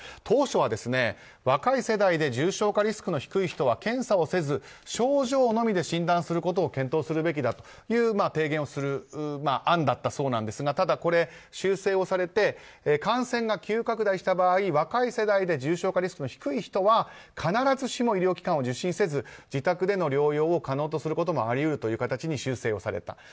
当初は若い世代で重症化リスクの高い人は検査をせず症状のみで診断することを検討するべきだという提言をする案だったそうなんですがこれは修正されて感染が急拡大した場合若い世代で重症化リスクの低い人は必ずしも医療機関を受診せず、自宅での療養を可能とすることもあり得ると修正をされた。